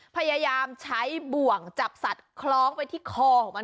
พยายามใช้บ่วงจับสัตว์คล้องไปที่คอของมัน